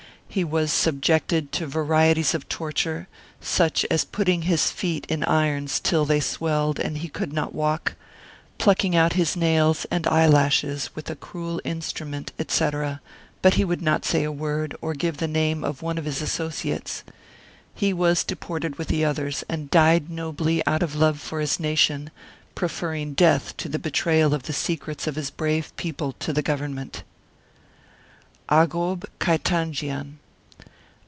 He was subjected to varieties of torture, such as putting his feet in irons till they swelled and he could not walk, plucking out his nails and eyelashes with a cruel instrument, etc., but he would not say a word, nor give the name of one of his associates. He was Martyred Armenia 27 deported with the others and died nobly out of love for his nation, preferring death to the betrayal of the secrets of his brave people to the Government. AGHOB KAITANJIAN.